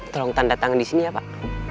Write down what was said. tolong tanda tangan disini ya pak